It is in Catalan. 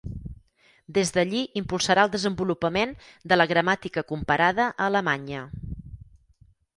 Des d'allí impulsarà el desenvolupament de la gramàtica comparada a Alemanya.